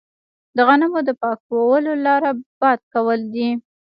د غنمو د پاکولو لاره باد کول دي.